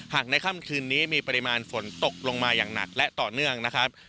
ในค่ำคืนนี้มีปริมาณฝนตกลงมาอย่างหนักและต่อเนื่องนะครับ